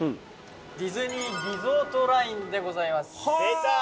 ディズニーリゾートラインでございます・出た！